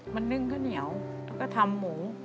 มันนึ่งข้าวเหนียวแล้วก็ทำหมู